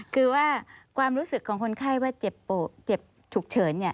คือว่าความรู้สึกของคนไข้ว่าเจ็บฉุกเฉิน